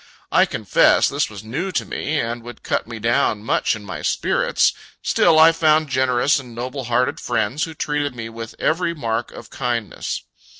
I confess, this was new to me, and would cut me down much in my spirits still I found generous and noble hearted friends, who treated me with every mark of kindness.